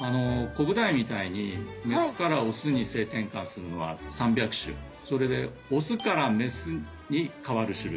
コブダイみたいにメスからオスに性転換するのは３００種それでオスからメスに変わる種類これは５０種類ぐらい。